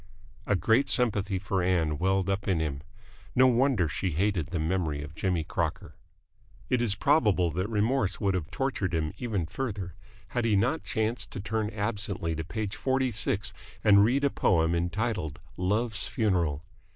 ... A great sympathy for Ann welled up in him. No wonder she hated the memory of Jimmy Crocker. It is probable that remorse would have tortured him even further, had he not chanced to turn absently to page forty six and read a poem entitled "Love's Funeral."